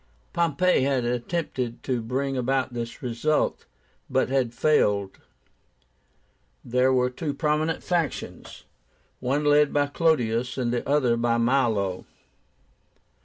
Pompey had attempted to bring about this result, but had failed. There were two prominent factions, one led by CLODIUS, the other by MILO.